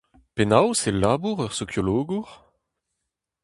Penaos e labour ur sokiologour ?